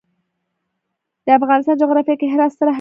د افغانستان جغرافیه کې هرات ستر اهمیت لري.